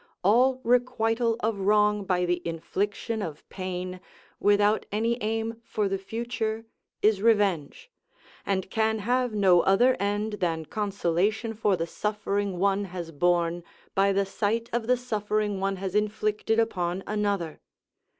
All requital of wrong by the infliction of pain, without any aim for the future, is revenge, and can have no other end than consolation for the suffering one has borne by the sight of the suffering one has inflicted upon another.